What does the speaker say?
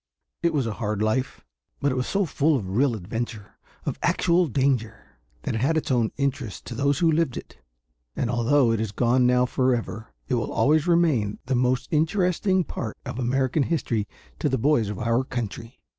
It was a hard life; but it was so full of real adventure, of actual danger, that it had its own interest to those who lived it. And although it is gone now forever, it will always remain the most interesting part of American history to the boys of our country.